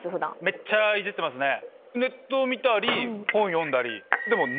めっちゃいじってますね。